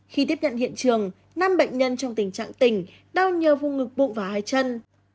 khi tiếp nhận hiện trường năm bệnh nhân trong tình trạng tỉnh đau nhờ vùng ngực bụng và hai chân